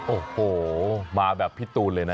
โอ้โหมาแบบพี่ตูนเลยนะ